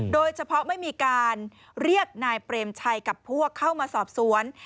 โดยเฉพาะไม่มีการเรียกนายเปรมชัยกับพวกเข้ามาสอบสวน